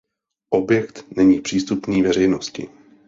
Objekt není přístupný veřejnosti.